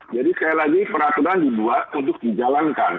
jadi sekali lagi peraturan dibuat untuk dijalankan